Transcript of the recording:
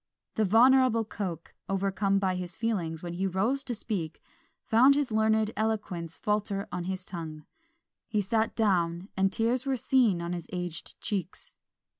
The venerable Coke, overcome by his feelings when he rose to speak, found his learned eloquence falter on his tongue; he sat down, and tears were seen on his aged cheeks.